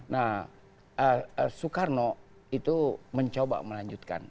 nah soekarno itu mencoba melanjutkan